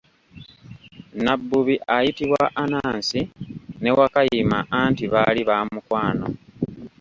Nabbubi ayitibwa Anansi ne Wakayima anti baali baamukwano.